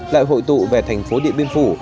lại hội tụ về thành phố điện biên phủ